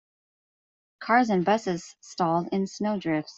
Cars and busses stalled in snow drifts.